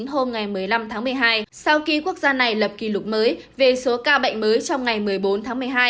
hôm một mươi năm tháng một mươi hai sau khi quốc gia này lập kỷ lục mới về số ca bệnh mới trong ngày một mươi bốn tháng một mươi hai